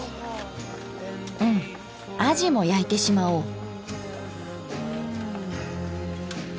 うん鯵も焼いてしまおう！